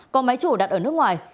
có máy chủ đặt ở nước ngoài